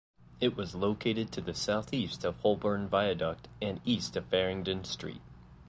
It was located to the southeast of Holborn Viaduct, and east of Farringdon Street.